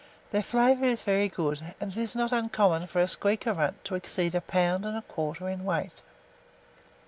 Their flavour is very good; and it is not an uncommon thing for a squeaker Runt to exceed a pound and a quarter in weight.